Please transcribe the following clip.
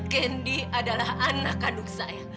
kendi adalah anak kandung saya